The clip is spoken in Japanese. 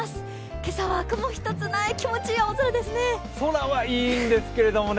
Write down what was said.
今朝は雲一つない気持ちいい青空ですね。